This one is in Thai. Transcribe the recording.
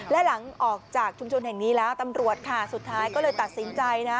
และหลังออกจากชุมชนแห่งนี้แล้วตำรวจค่ะสุดท้ายก็เลยตัดสินใจนะ